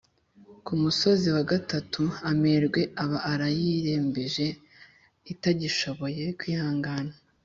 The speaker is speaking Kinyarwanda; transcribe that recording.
ku musozi wa gatatu, amerwe aba arayirembeje itagishoboye kwihangana;